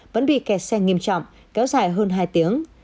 vẫn bị kẹt xe nghiêm trọng kéo dài hơn hai tiếng